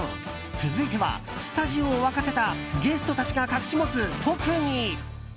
続いては、スタジオを沸かせたゲストたちが隠し持つ特技。